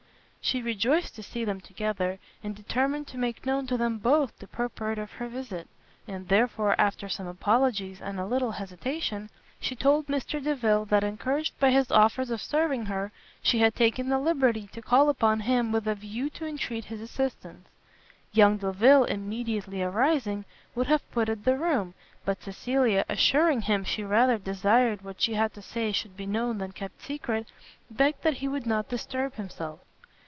She rejoiced to see them together, and determined to make known to them both the purport of her visit: and therefore, after some apologies and a little hesitation, she told Mr Delvile, that encouraged by his offers of serving her, she had taken the liberty to call upon him with a view to entreat his assistance. Young Delvile, immediately arising, would have quitted the room; but Cecilia, assuring him she rather desired what she had to say should be known than kept secret, begged that he would not disturb himself.